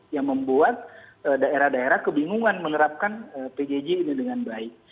yang membuat daerah daerah kebingungan menerapkan pjj ini dengan baik